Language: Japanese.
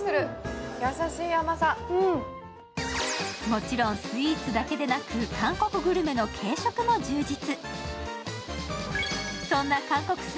もちろんスイーツだけでなく韓国グルメの軽食も充実。